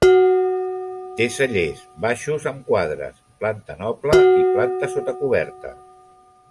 Té cellers, baixos amb quadres, planta noble i planta sota coberta.